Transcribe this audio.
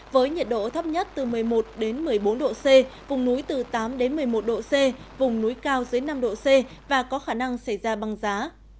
với nhiệt độ thấp nhất từ một mươi một một mươi bốn độ c vùng núi từ tám một mươi một độ c vùng núi cao dưới năm độ c và có khả năng xảy ra băng giá